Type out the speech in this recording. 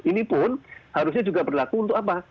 ini pun harusnya juga berlaku untuk apa